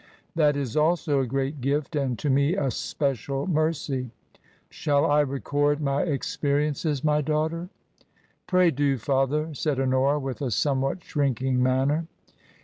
That is also a great gift, and to me a special mercy. Shall I record my experiences, my daughter ?" "Pray do, father," said Honora, with a somewhat shrinking manner.